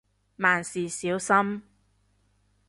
萬事小心